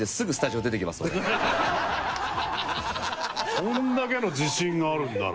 それだけの自信があるんなら。